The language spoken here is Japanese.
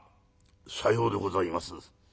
「さようでございます。